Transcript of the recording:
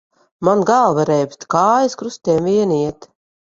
Man galva reibst, kājas krustiem vien iet.